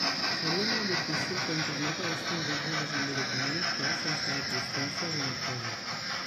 Seria molt difícil que Internet hagués tingut el desenvolupament actual sense l'existència d'Unicode.